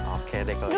oke deh kalau gitu